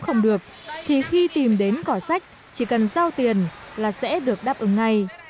không được thì khi tìm đến cỏ sách chỉ cần giao tiền là sẽ được đáp ứng ngay